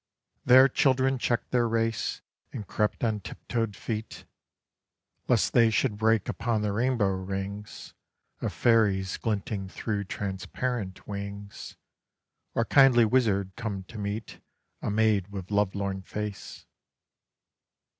There children checked their race And crept on tiptoed feet, Lest they should break upon the rainbow rings Of fairies glinting through transparent wings, Or kindly wizard come to meet A maid with lovelorn face.